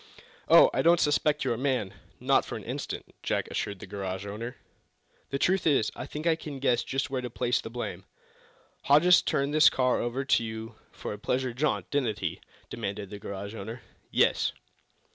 "Oh, I don't suspect your man not for an instant," Jack assured the garage owner. "The truth is, I think I can guess just where to place the blame." "Hodges turned this car over to you for a pleasure jaunt, didn't he?" demanded the garage owner. "Yes."